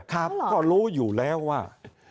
ครับก็รู้อยู่แล้วว่า